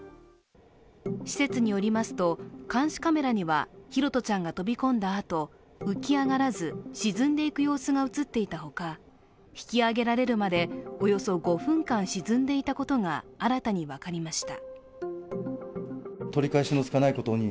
施設によりますと監視カメラには拓杜ちゃんが飛び込んだあと浮き上がらず、沈んでいく様子が映っていたほか、引き上げられるまでおよそ５分間沈んでいたことが新たに分かりました。